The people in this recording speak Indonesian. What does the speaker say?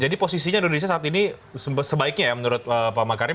jadi posisinya indonesia saat ini sebaiknya ya menurut pak makarim